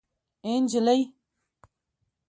اي نجلۍ